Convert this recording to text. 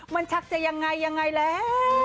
มันชักจะยังไงยังไงแล้ว